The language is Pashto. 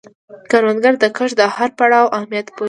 کروندګر د کښت د هر پړاو اهمیت پوهیږي